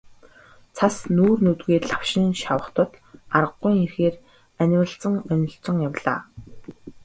Цас нүүр нүдгүй лавшин шавах тул аргагүйн эрхээр анивалзан онилзон явлаа.